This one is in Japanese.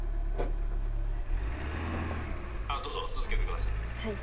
「あっどうぞ続けて下さい」。